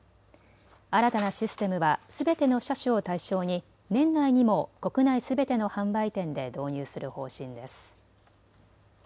新たなシステムはすべての車種を対象に年内にも国内すべての販売店で導入する方針です。